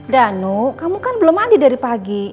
danu kamu kan belum mandi dari pagi